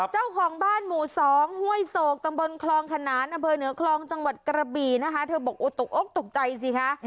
เจ้าของบ้านหมู่สองห้วยโศกตำบลคลองขนานอำเภอเหนือคลองจังหวัดกระบี่นะคะเธอบอกตกอกตกใจสิคะ